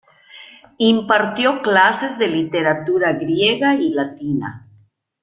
Impartió clases de literatura griega y latina.